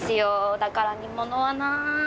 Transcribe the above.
だから煮物はな。